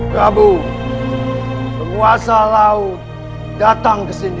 kabu penguasa laut datang ke sini